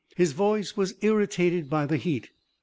His voice was irritated by the heat.